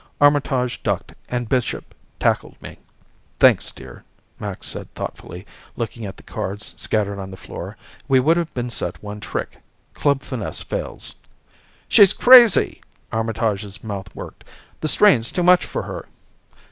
Armitage ducked and Bishop tackled me. "Thanks, dear," Max said thoughtfully, looking at the cards scattered on the floor. "We would have been set one trick. Club finesse fails." "She's crazy!" Armitage's mouth worked. "The strain's too much for her!"